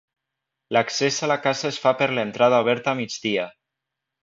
L'accés a la casa es fa per l'entrada oberta a migdia.